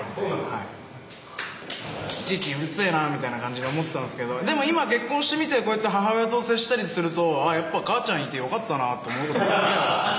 いちいちうるせえなみたいな感じで思ってたんですけどでも今結婚してみてこうやって母親と接したりするとやっぱ母ちゃんいてよかったなと思うことすげえあるっすね。